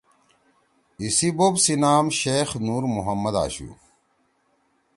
ایِسی بوپ سی نام شیخ نورمحمد آشُو